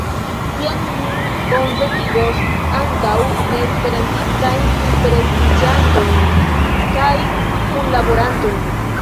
Tiam ni bonvenigos ankaŭ neesperantistajn interesiĝantojn kaj kunlaborantojn.